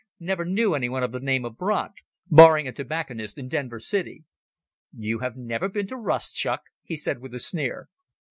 Never knew anyone of the name of Brandt, barring a tobacconist in Denver City." "You have never been to Rustchuk?" he said with a sneer.